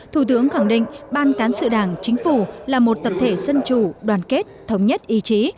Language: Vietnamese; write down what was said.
thủ tướng khẳng định ban cán sự đảng chính phủ là một tập thể dân chủ đoàn kết thống nhất ý chí